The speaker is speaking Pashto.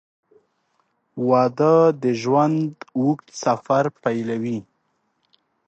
• واده د ژوند اوږد سفر پیلوي.